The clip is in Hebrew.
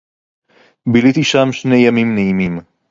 ביליתי שם שני ימים נעימים.